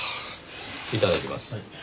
いただきます。